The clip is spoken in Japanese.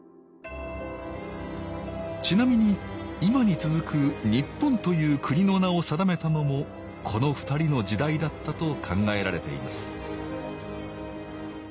ちなみに今に続く「日本」という国の名を定めたのもこの２人の時代だったと考えられています